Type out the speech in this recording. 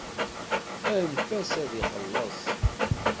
Anef-as ad ixelleṣ.